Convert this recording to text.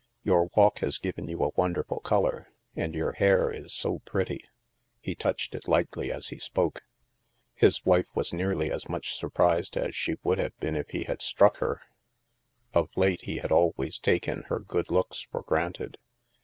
" Your walk has given you a wonderful color, and your hair is so pretty." He touched it lightly as he spoke. His wife was nearly as much surprised as she would have been if i66 THE MASK he had struck her. Of late, he had always taken her good looks for granted.